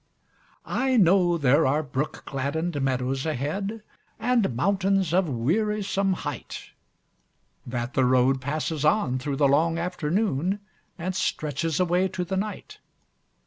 I know there are brook gladdened meadows ahead, And mountains of wearisome height; That the road passes on through the long afternoon And stretches away to the night.